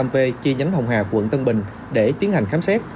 năm nghìn năm v chi nhánh hồng hà quận tân bình để tiến hành khám xét